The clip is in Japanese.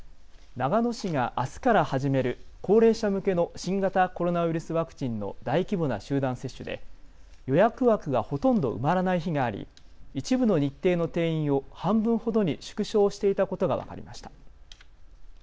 長野市があすから始める高齢者向けの新型コロナウイルスワクチンの大規模な集団接種で予約枠がほとんど埋まらない日があり、一部の日程の定員を半分ほどに縮小していたことが分かりました。